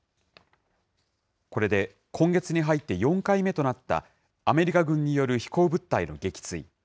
これで今月に入って４回目となった、アメリカ軍による飛行物体の撃墜。